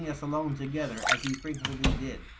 US alone tc^ether, as he frequently did.